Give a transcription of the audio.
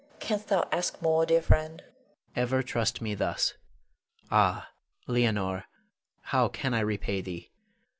Canst thou ask more, dear friend? Adrian. Ever trust me thus! Ah, Leonore, how can I repay thee?